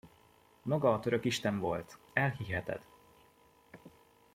Maga a török isten volt, elhiheted!